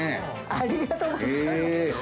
ありがとうございます。